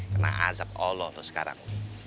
kena azab allah tuh sekarang